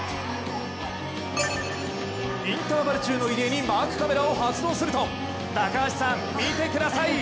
インターバル中の入江にマークカメラを発動すると高橋さん、見てください！